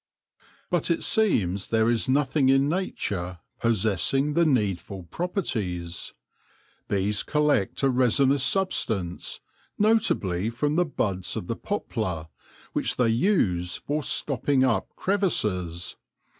But it seems there is nothing in nature possessing the needful properties. Bees collect a resinous substance, notably from the buds of the poplar, which they use for stopping up crevices.